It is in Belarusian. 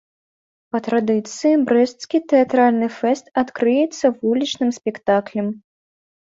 Па традыцыі брэсцкі тэатральны фэст адкрыецца вулічным спектаклем.